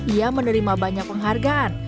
ia menerima banyak penghargaan